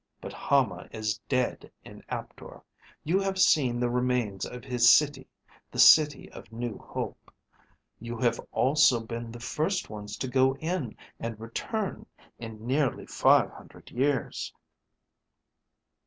But Hama is dead in Aptor. You have seen the remains of his city, the City of New Hope. You have also been the first ones to go in and return in nearly five hundred years."